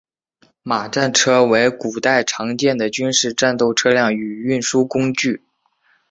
马战车为古代常见的军事战斗车辆与运输工具。